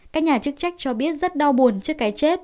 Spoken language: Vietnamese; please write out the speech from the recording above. các nhà chức trách cho biết rất đau buồn trước cái chết